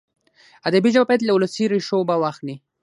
ادبي ژبه باید له ولسي ریښو اوبه واخلي.